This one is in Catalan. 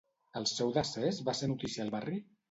El seu decés va ser notícia al barri?